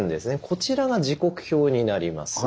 こちらが時刻表になります。